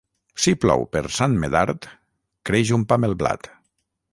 Si plou per Sant Medard, creix un pam el blat.